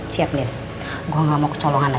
siap din gue gak mau kecolongan lagi